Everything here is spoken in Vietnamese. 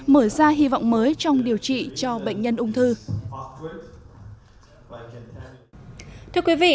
mở ra hy vọng mới trong điều trị cho bệnh nhân ung thư